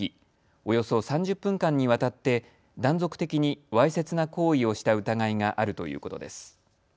およそ３０分間にわたって断続的にわいせつな行為をした疑いがあるということです。